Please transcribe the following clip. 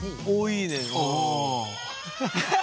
おおいいね。